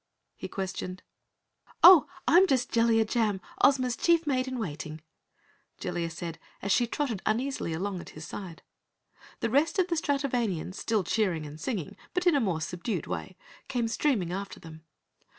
he questioned. "Oh, I'm just Jellia Jam, Ozma's Chief Maid in Waiting," Jellia said as she trotted uneasily along at his side. The rest of the Stratovanians, still cheering and singing, but in a more subdued way, came streaming after them.